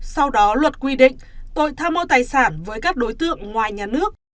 sau đó luật quy định tội tham mô tài sản với các đối tượng ngoài nhà nước